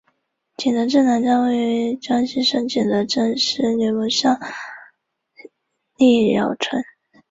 景德镇南站位于江西省景德镇市吕蒙乡历尧村。